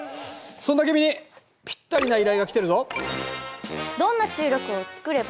そんな君にぴったりな依頼が来てるぞ。